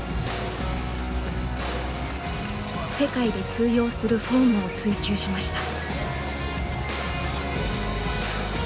世界で通用するフォームを追究しました。